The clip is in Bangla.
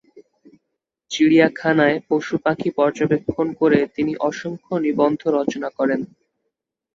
চিড়িয়াখানায় পশুপাখি পর্যবেক্ষণ করে তিনি অসংখ্য নিবন্ধ রচনা করেন।